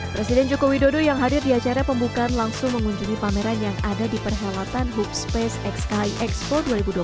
presiden jokowi dodo yang hadir di acara pembukaan langsung mengunjungi pameran yang ada di perhelotan hoopspace xki expo dua ribu dua puluh tiga